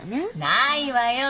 ないわよ